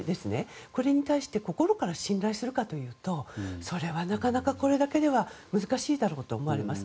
これに対して心から信頼するかというとそれは、なかなかこれだけでは難しいだろうと思われます。